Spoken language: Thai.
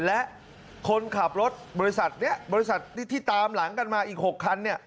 และคนขับรถบริษัทที่ตามหลังกันมาอีก๖คัน